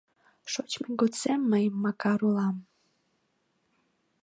Шочмем годсек мый Макар улам!